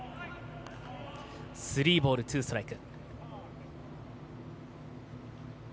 スリーボールツーストライク。